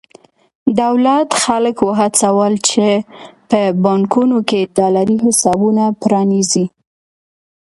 دولت خلک وهڅول چې په بانکونو کې ډالري حسابونه پرانېزي.